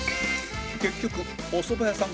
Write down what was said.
結局おそば屋さん